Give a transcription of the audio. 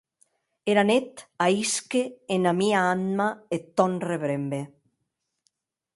Era net ahisque ena mia anma eth tòn rebrembe!